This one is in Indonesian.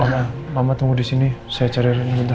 mama mama tunggu disini saya cari reina bentar